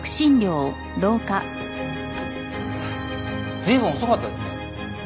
随分遅かったですね。